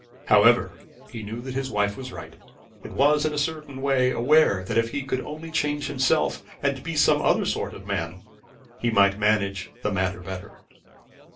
However, he knew that his wife was right, and was in a certain way aware that if he could only change himself and be another sort of man, he might manage the matter better.